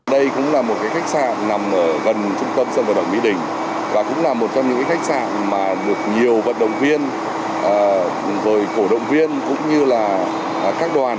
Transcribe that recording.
đây cũng là một khách sạn nằm gần trung tâm sân vận động mỹ đình và cũng là một trong những khách sạn mà được nhiều vận động viên rồi cổ động viên cũng như là các đoàn